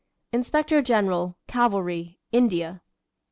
Inspector general, cavalry, India.